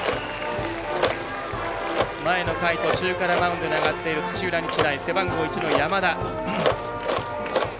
前の回、途中からマウンドに上がっている土浦日大、背番号１の山田。